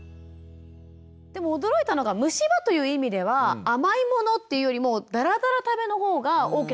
でも驚いたのが虫歯という意味では甘いものっていうよりもだらだら食べの方が大きな原因になるんですね。